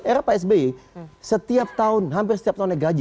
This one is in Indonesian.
era psby setiap tahun hampir setiap tahun naik gaji